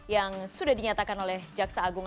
yang sudah dinyatakan oleh jaksa agung